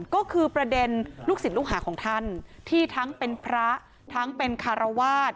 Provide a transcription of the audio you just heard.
ก็คือประเด็นลูกศิษย์ลูกหาของท่านที่ทั้งเป็นพระทั้งเป็นคารวาส